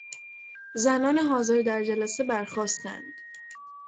زنان حاضر در جلسه برخاستند.